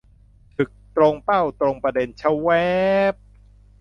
ฉึก ! ตรงเป้า ตรงประเด็น ชะแว้บบบบบ